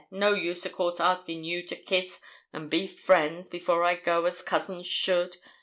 No use, of course, askin' you to kiss and be friends, before I go, as cousins should.